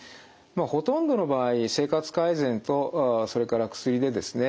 ほとんどの場合生活改善とそれから薬でですね